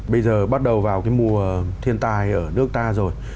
bây giờ bắt đầu vào cái mùa thiên tai ở nước ta rồi